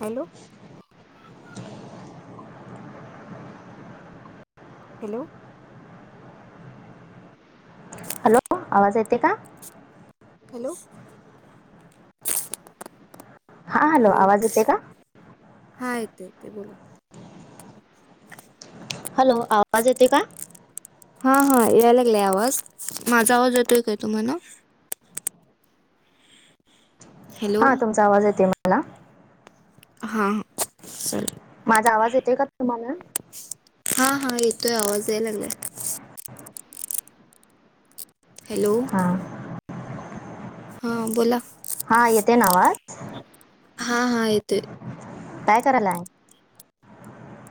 Hello! Hello! Hello आवाज येतोय का? हॅलो! हा हॅलो आवाज येते का हा येतोय येतोय बोला. हॅलो आवाज येतोय का? हा हा यायला लागलाय आवाज माझा आवाज येतोय काय तुम्हाला? हॅलो हा तुमचा आवाज येतोय मला. हा हा चालतंय. माझा आवाज येतोय का तुम्हाला? हा हा येतोय आवाज याय लागलाय. हॅलो! हां! हा बोला. हा येतोय ना आवाज? हा हा येतोय. काय करायलाय?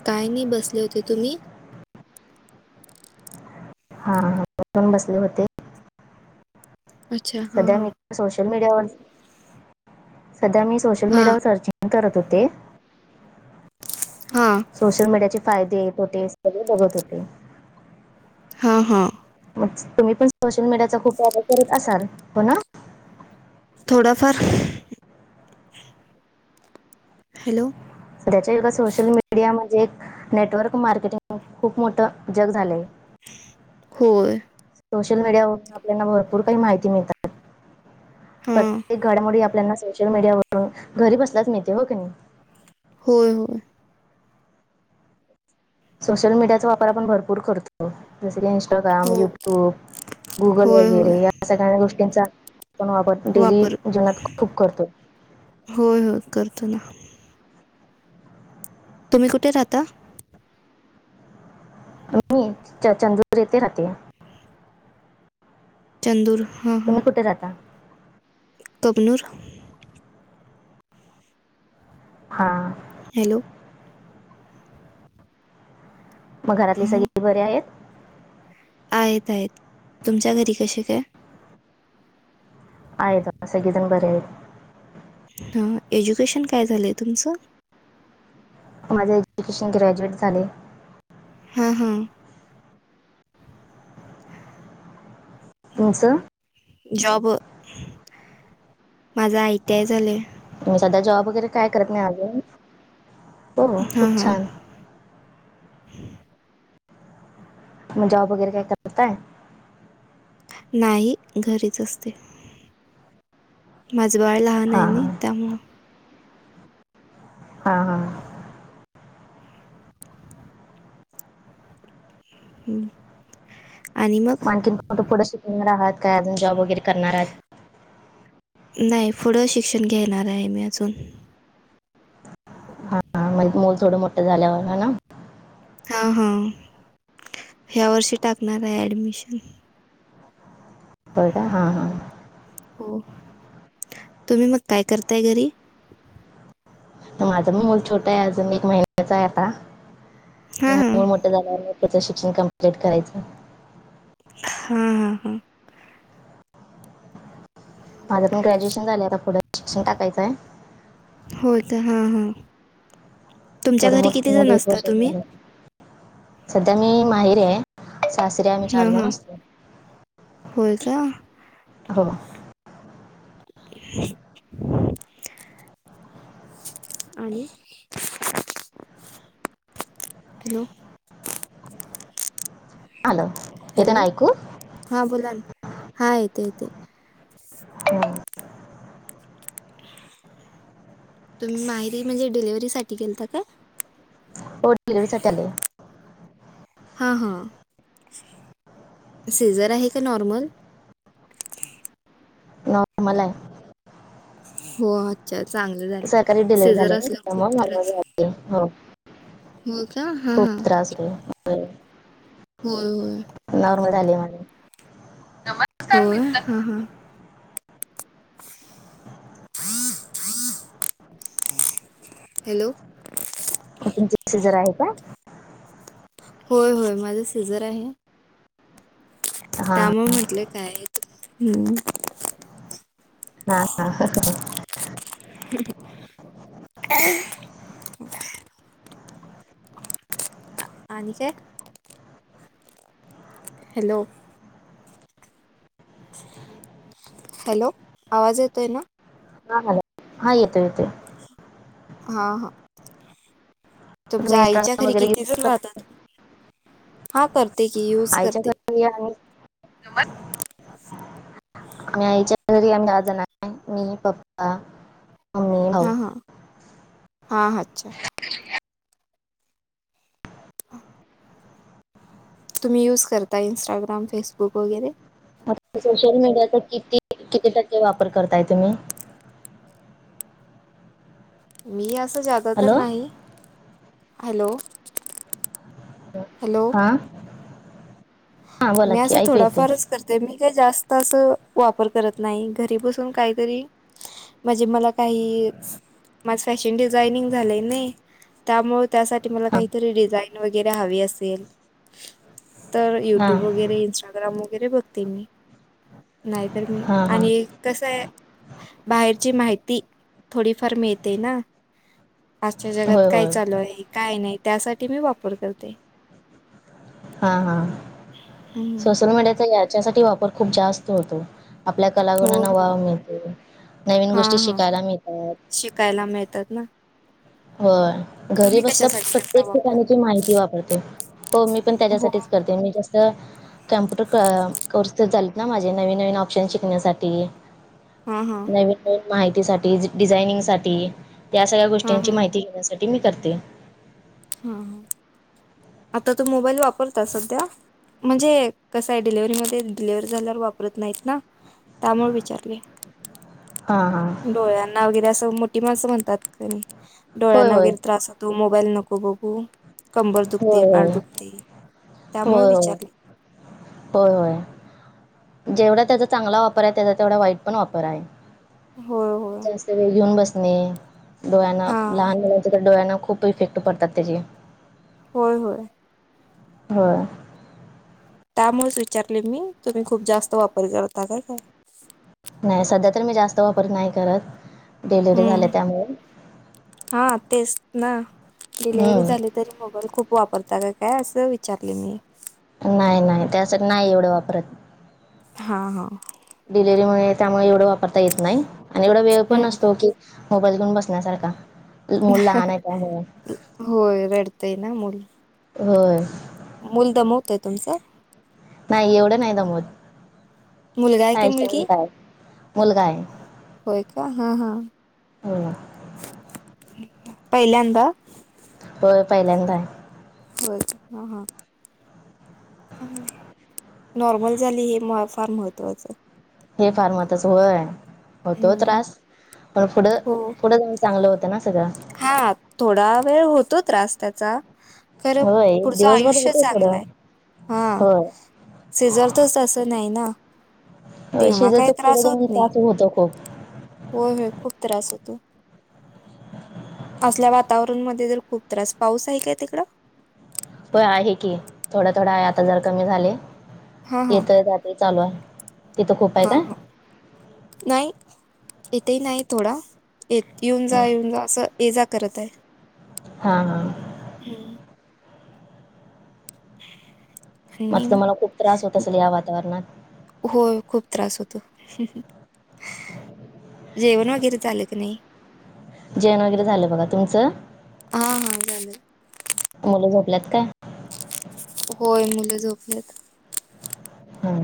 काय नाही बसले होते. तुम्ही? हा मी पण बसले होते. अच्छा हा सध्या मी हा सोशल मीडियावर, सध्या मी सोशल हा मीडियावर सर्च करत होते, हा, सोशल मीडिया चे, फायदे, तोटे, सगळे बघत होते. हा, हा, तुम्ही पण, सोशल मीडियाचा, खूप वापर करीत असाल, हो ना? थोडाफार, हॅलो? आताच्या युगात, सोशल मीडिया म्हणजे एक नेटवर्क मार्केटिंग, खूप मोठं जग झालंय. होय, सोशल मीडयारून, आपल्याला भरपूर काही माहिती मिळत, हा प्रत्येक घडामोडी आपल्याना, सोशल मीडियावरून घरी बसलाच मिळते, हो की नाही. होय, होय, सोशल मीडियाचा वापरण, आपण भरपूर करतो. जस की, इंस्टाग्राम, हो युट्यूब गुगल, होय होय वगैरे. या सगळ्या गोष्टींचा, आपण वापर डेली वापर जीवनात खूप करतो. होय, होय करतो ना. तुम्ही, कुठे राहता? मी, [unintelligible] येथे राहते, चंदूर, हा हा तुम्ही, कुठे राहता ता? कबनूर, हा, हॅलो? मग, घरातली हा सगळे बरे आहेत, आहेत, आहेत, तुमच्या घरी कसे काय, आहेत सगळी, जण बरी आहेत, ह एज्युकेशन, काय झालंय तुमचं? माझं, एज्युकेशन ग्रॅज्युएट झाले. हा, हा, तुमचं, जॉब, माझा आईटीयाय झाले, मी सध्या, जॉब वगैरे काय करत नाही अजून, हो हां खूप हां. छान, तुम्ही, जॉब वगैरे काय करताय, नाही, घरीच असते, माझं बाळ लहान आहे हां ना, हां. त्यामुळं, हा, हा, हम, म आणखीन [unintelligible] पुढं शिकवणार आहात, काय अजून जॉब वगैरे करणार आहात. नाही, पुढं शिक्षण घेणार आहे मी अजून, हा म्हण, मूल थोडं मोठं झाल्यावरला हा ना, हा, हा, ह्या वर्षी टाकणार आहे, ऍडमिशन, होय, का हा, हा, हो, तुम्ही मग काय करताय घरी, माझा पण मूल छोटा आहे, अजून एक महिन्याचा आहे आता, हां हां. मोठ झालंवर, पुढचं शिक्षण कम्प्लीट करायचं. हम, हम, हम माझं पण, ग्रॅजुएशन झालेय, आता पुढे शिक्षण टाकायचंय, होय का, हा, हा तुमच्या थोडं घरी मोठं किती मूल जण एक असता? वर्ष तुम्ही, झालं सध्या मी माहेरी आहे. सासरी आम्ही चार हां जण हां. असतो होय का? हो. आणि. हॅलो. हॅलो. हॅलो हा बोला ना हा येते येते. हं. तुम्ही माहेरी म्हणजे डिलिव्हरी साठी गेलता का? हो डिलिव्हरीसाठी आलीये. हा हा. सिझर आहे का नॉर्मल? नॉर्मल आहे. हो अच्छा चांगले झाले सरकारी डिलिव्हरी सीजर झाले असल खूप त्यामुळे नॉर्मल त्रास झाले हो हो का हा खूप हा. त्रास [unintelligible] होय होय. नॉर्मल झाली माझी. होय हा हा. हॅलो. तुमच सीझर आहे का? होय होय माझं सीझर आहे. हा त्यामुळ म्हटल काय हम्म हा हा. [unintelligible] [unintelligible] आणि काय? हॅलो. हॅलो आवाज येतो आहे ना? हा हॅलो हा येतोय येतोय. हा हा. तुमच्या तुम्ही आईच्या इंस्टाग्राम घरी वगैरे किती यूज जण कर राहता तुम्ही हा करते की यूज करते. [unintelligible] मी आईच्या घरी आम्ही दहा जण [unintelligible] मी पप्पा मम्मी भाऊ हा हा हा हा अच्छा. [unintelligible] तुम्ही यूज करता इंस्टाग्राम फेसबुक वगैरे? सोशल मीडियाचा किती किती टक्के वापर करताय तुम्ही? मी असं ज्यादा तर हॅलो नाही हॅलो. हॅलो हा. हा बोला मी की असं ऐकू येते थोडाफारच कर ते मी काही जास्त अस वापर करत नाही घरी बसून काहीतरी म्हणजे मला काही माझ फॅशन डिझाइनिंग झालंय ने त्यामुळे त्यासाठी मला हा काहीतरी डिझाईन वगैरे हवी असेल त हा युट्यूब वगैरे इंस्टाग्राम वगैरे बघते मी नाहीतर मी हा हा आणि कसं ये बाहेरची माहिती थोडीफार मिळते ना. आजच्या जगात होय काय होय चालू आहे काय नाही त्यासाठी मी वापर करते. हा हा हम्म. सोशल मीडियाचा याच्यासाठी वापर खूप जास्त होतो आपल्या हो कलागुणांना हो व्हाव मिळते नवीन हां गोष्टी हां शिकायला मिळतात. शिकायला मिळतात ना. हो. घरी तुम्ही बसल्या कशासाठी करता प्रत्येक वापर ठिकाणीची माहिती वापरतेो हो मी पण हो त्याच्यासाठीच करते मी जास त कम्प्युटर कोर्स तर झालेत ना माझे नवीन नवीन ऑप्शन शिकण्यासाठी. हा हा. नवीन नवीन माहितीसाठीठी डिझायनिंग साठी त्या सगळ्या हा गोष्टीची हा माहिती घेण्यासाठी मी करते. हा आता तू मोबाईल वापरता सध्या. म्हणजे कसं आहे डिलिव्हरी मध्ये डिलव्ह झाल्यावर वापरत नाहीत ना त्यामुळे विचारले. हा हा. डोळ्यांना वगैरे असं मोठी माणसं म्हणतात कमी होय डोळ्यांना होय. वगैरे त्रास होत. तो मोबाईल नको बघू कंबर दुखते होय पड होय. दुखते त्यामुळे विचारले. हो होय जेवढा त्याचा चांगला वापर आहे त्याचा तेवढा वाईट पण वापर आहे. होय होय जास्त वेळ घेऊन बसणे डोळ्यांना हा लहान मुलाचे तर डोळ्यांना खूप. तो इफेक्ट पडतात त्याचे. होय होय होय. त्यामुळेच विचारले मी तुम्ही खूप जास्त वापर करता का काय. नाही सध्या तर मी जास्त वापर नाही करत डिलिवरी हम्म झाल्या त्यामुळे. हा तेचं ना डिलेिव्हरी झाली. हम्म तरी मोबाईल खूप वापरता. का काय असं विचारले मी नाही नाही त्याचं नाही एवढं वापरत. हा. हा. डिलेव्हरी मुळे त्यामुळे एवढं वापरता येतं नाही. आणि एवढा वेळ हम्म पण असतो. कि. मोबाईल घेऊन बसण्या सारखा. होय रडतयं ना मुलं. होय. मुलं दमवतोयं तुमचं. नाही एवढं नाही दमत मुलगा आहे की मुलगी शांत आहे. मुलगा आहे. होय. का हा. हा हम्म पहिल्यांदा होय पहिल्यादा आहे. होय हां हा. नॉर्मल झाली हे फार महत्त्वाचं. हे फार मातच होय होतो हम्म त्रास पण पुढं. हो कुठं जाऊं चांगलं होतं ना सगळं. हा थोडा वेळ होतो त्रास त्याचा खरं होय पुढचं दिवसभर आयुष्य होतय चांगलं थोडं आहे हा होय. शिजवतोच तसं नाही ना. तेव्हा सिजरचं काही पुढे जाऊन त्रास होतो. खूप हो, हो खूप त्रास होतो. असल्या वातावरणा मध्ये जर खूप त्रास पाऊस आहे. काय तिकडं पाऊस आहे की थोडा थोडा आहे आता जर कमी झाले हा हा येत जाते चालू आहे. तिथं खूप आहे हा. काय नाही. इथं नाही. थोडा येऊन जा येऊनं जा असं ये जा करत. आहे. हा. हा. हो, आणि मगं मग तुम्हाला खूप त्रास होत. असेल या वातावरणात होय खूप त्रास होतो. जेवणं वगैरे झालं का नाही. जेवणं वगैरे झालं बघा तुमचं. हा. हा. झालेलं मुले झोपल्यात झोपल्यात काय होय मुलं झोपलेतं. हा.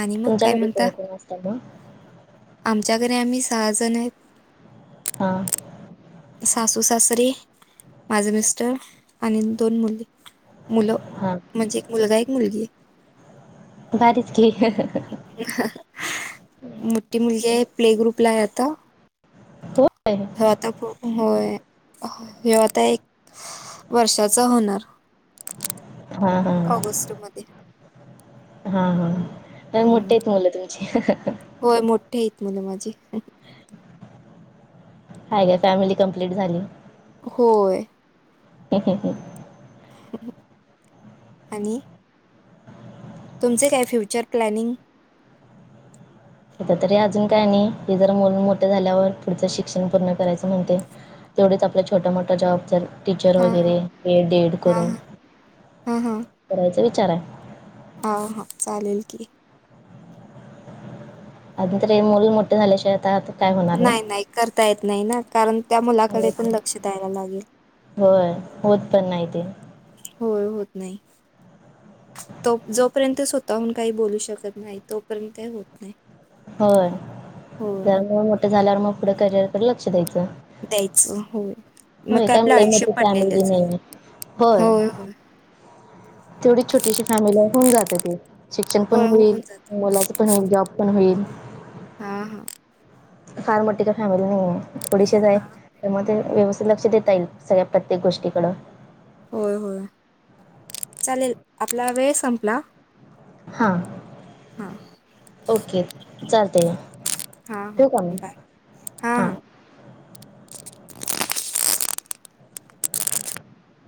आणि मग तुमच्या काय घरी कोण म्हणता? कोण असतं मगं. आमच्या घरी आम्ही सहा जण आहेत. हा. सासू सासरी माझे मिस्टर आणि दोन मुली दोन मुलं. हा. म्हणजे एक मुलगा एक मुलगी. भारीच की. मोठी मुलगी प्ले ग्रुपला हे आता. हो आहे. हो आता होय हे आता एक [unintelligible] वर्षाचा होणार हा हा ऑगस्ट मध्ये. हा हा मोठीे आहेततं मुलं तुमची. होय मोठे आहेत मुलं माझे. हय का फॅमिली कम्प्लीट झाली. होय. [unintelligible] आणि. तुमचे काय फ्युचर प्लॅनिंग. आता तरी अजून काय नाही हे जर मुलं मोठं झाल्यावर पुढचं शिक्षण पूर्ण करायचं म्हणते. तेवढेच आपल्या छोटा मोठा जॉब झाला. टीचर हां, हां. वगैरे बी एड, डी एड हां, करून, हां. करायचा विचार हाय. अ हा चालेल की. आता तरी मूल मोठ झालंय तात. नाही नाही करता येत नाही ना कारण त्या मुलाकडे होत पण नाही. लक्ष द्यायला लागेल. होय होत पण नाही ते. होय होत नाही. तो जोपर्यंत स्वतःहून काही बोलू शकत नाही तोपर्यंत काय होत नाही. होय जरा होय, म मोठ झाल्यावर मग पुढ करिअरकड लक्ष द्यायचं. द्यायचं होय मग होय काय आपलं लई आयुष्य मोठी फॅमिली पडलेलंच नाही हाय होय होय. तेवढी छोटीशी फॅमिली हाय होऊन जातंय ते शिक्षण होय, पण होईल होऊन जातं. मुलाच. होईल जॉब पण होईल. हा हा. फार मोठी काय फॅमिली नाही आहे थोडीशीचं आहे. हां. त्यामध्ये व्यवस्थित लक्ष देता येईल सगळ्या प्रत्येक गोष्टीकडं. होय होय चालेल आपला वेळ संपला. हा हां, ओके चालतय घ्या. हा हा बाय हा हां हा.